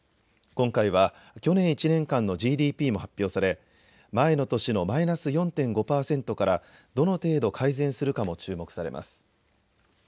今回は去年１年間のＧＤＰも発表され前の年のマイナス４．５％からどの程度改善するかも注目されます。